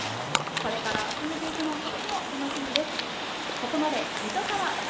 これから集めていくのとても楽しみです！